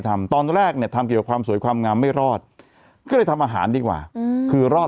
ทำตอนแรกเนี่ยทำเกี่ยวกับความสวยความงามไม่รอดก็เลยทำอาหารดีกว่าคือรอด